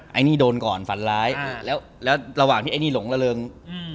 ไอ้นี่โดนก่อนฝันร้ายอ่าแล้วแล้วระหว่างที่ไอ้นี่หลงระเริงอืม